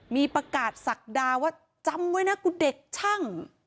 มีประกาศศักดาว่าจำไว้นะกูเด็กช่าง